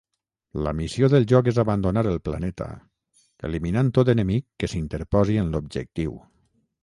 La missió del joc és abandonar el planeta, eliminant tot enemic que s'interposi en l'objectiu.